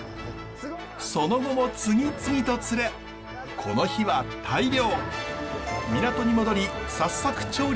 その後も次々と釣れこの日は大漁！